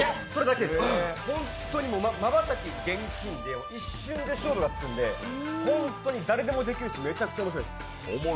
本当にまばたき厳禁、一瞬で勝負がつくんでホントに誰でもできるし、めちゃくちゃ面白いです。